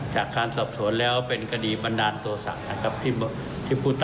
จากการสอบสวนแล้วเป็นกดีบันดาลตัวศักดิ์